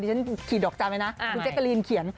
เดี๋ยวฉันขีดดอกจำแล้วนะอ่าครูเจกต์เกอรีท์เขียน